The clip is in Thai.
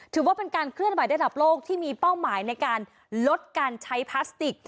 ถือว่าเป็นการเคลื่อนไหวระดับโลกที่มีเป้าหมายในการลดการใช้พลาสติก